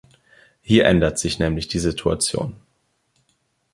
Hier ändert sich nämlich die Situation.